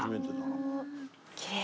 きれい。